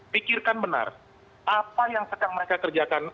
pikirkan benar apa yang sedang mereka kerjakan